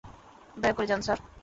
দয়া করে যান, স্যার।